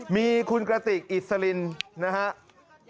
มีคุณกระติกอิสลินนะครับ